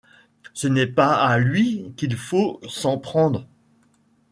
Ce n'est pas à lui qu'il faut s'en prendre.